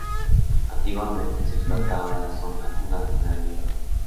Antiguamente se explotaba en la zona una mina de hierro.